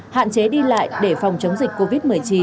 hạn chế đi lại để phòng chống dịch covid một mươi chín